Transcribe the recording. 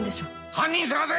犯人捜せ！